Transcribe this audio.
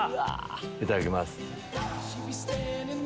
いただきます。